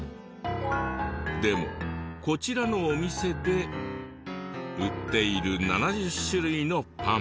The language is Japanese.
でもこちらのお店で売っている７０種類のパン。